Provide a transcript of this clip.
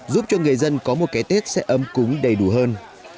giúp cho người dân có một cái tết sẽ ấm cúng đầy đủ hơn